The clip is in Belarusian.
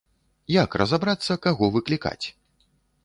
Як разабрацца, каго выклікаць?